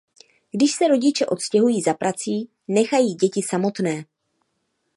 Když se rodiče odstěhují za prací, nechají děti samotné.